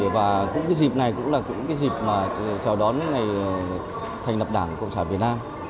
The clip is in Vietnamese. và cũng dịp này cũng là dịp chào đón ngày thành lập đảng cộng sản việt nam